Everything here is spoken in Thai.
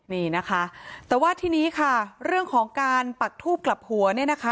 นี่นะคะแต่ว่าทีนี้ค่ะเรื่องของการปักทูบกลับหัวเนี่ยนะคะ